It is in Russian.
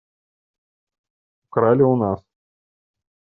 Украли у нас.